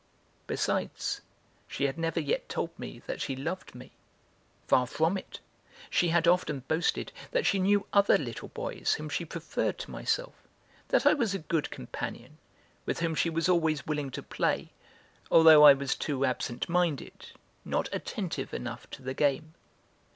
Besides, she had never yet told me that she loved me. Far from it, she had often boasted that she knew other little boys whom she preferred to myself, that I was a good companion, with whom she was always willing to play, although I was too absent minded, not attentive enough to the game.